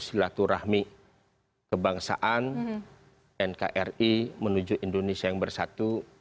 silaturahmi kebangsaan nkri menuju indonesia yang bersatu